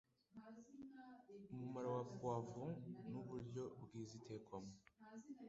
Umumaro wa poivron n'uburyo bwiza itekwamo